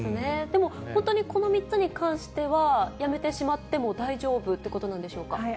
でも、本当にこの３つに関しては、やめてしまっても大丈夫ということなんでしょうか。